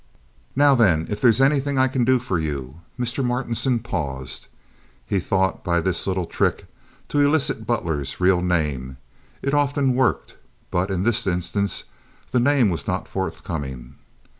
"Now then, if there's anything I can do for you," Mr. Martinson paused. He thought by this little trick to elicit Buder's real name—it often "worked"—but in this instance the name was not forthcoming.